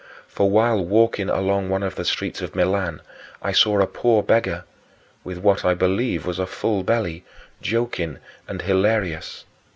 For, while walking along one of the streets of Milan, I saw a poor beggar with what I believe was a full belly joking and hilarious.